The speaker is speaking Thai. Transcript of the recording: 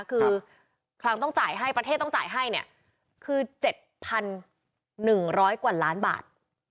คือความต้องจ่ายให้ประเทศต้องจ่ายให้เนี่ยคือเจ็ดพันหนึ่งร้อยกว่าล้านบาท